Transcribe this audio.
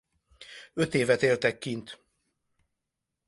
Öt évet éltek kint.